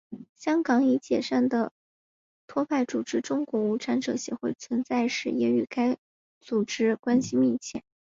香港已解散的托派组织中国无产者协会存在时也与该组织关系密切。